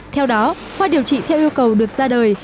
theo đó khoa điều trị theo yêu cầu được ra đời